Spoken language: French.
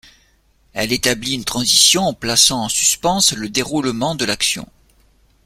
Elle établit une transition en plaçant en suspens le déroulement de l'action.